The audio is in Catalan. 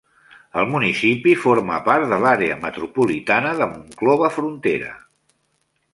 El municipi forma part de l'àrea metropolitana de Monclova-Frontera.